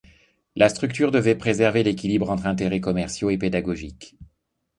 La structure devait préserver l'équilibre entre intérêts commerciaux et pédagogiques.